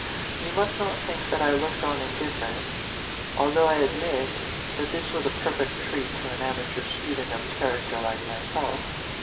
You must not think that I looked on indifferent, although I admit that this was a perfect treat to an amateur student of character like myself.